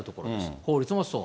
法律もそう。